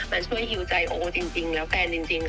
แต่ช่วยฮิวใจโอจริงแล้วแฟนจริง